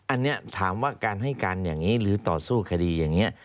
อันนี้ถามว่าการให้การอย่างนี้หรือต่อสู้คดีอย่างนี้